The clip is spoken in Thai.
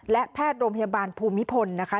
และแพทย์โรงพยาบาลภูมิพลนะคะ